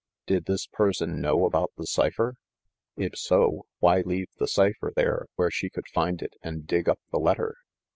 Did this person know about the cipher? If so, why leave the cipher there where she could find it and dig up the letter?